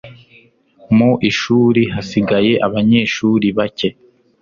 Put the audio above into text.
mu ishuri hasigaye abanyeshuri bake